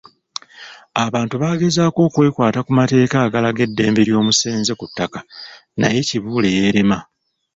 Abantu baagezaako okwekwata ku mateeka agalaga eddembe ly’omusenze ku ttaka naye Kibuule yeerema.